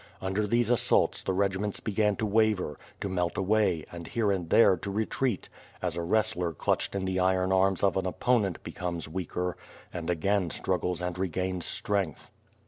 Under these as saults the regiments began to waver, to melt away and here and there to retreat as a wrestler clutched in the iron arms of an opponent becomes weaker and again struggles and regains strength.